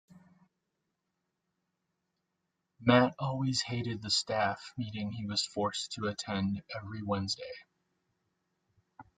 Matt always hated the staff meeting he was forced to attend every Wednesday